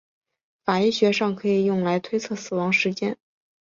法医学上可以用来推测死亡时间。